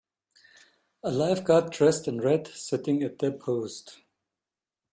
A lifeguard dressed in red sitting at their post.